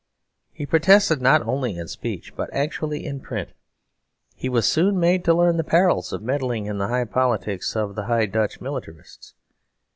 He protested, not only in speech, but actually in print. He was soon made to learn the perils of meddling in the high politics of the High Dutch militarists.